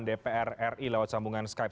dpr ri lewat sambungan skype